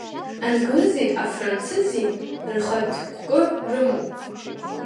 Англызи афранцызи рхатә қәкы рымоуп.